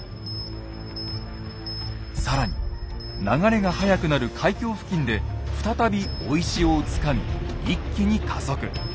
更に流れが速くなる海峡付近で再び追い潮をつかみ一気に加速。